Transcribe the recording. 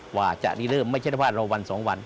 กว่าจะเริ่มไม่ใช่ว่าเราวันสองวัน